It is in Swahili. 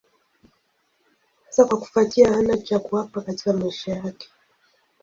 Hasa kwa kufuatia hana cha kuwapa katika maisha yake.